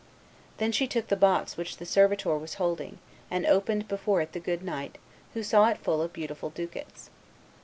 Then she took the box which the servitor was holding, and opened it before the good knight, who saw it full of beautiful ducats.